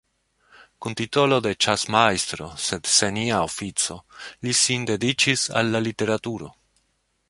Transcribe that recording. Kun titolo de ĉasmajstro, sed sen ia ofico, li sin dediĉis al la literaturo.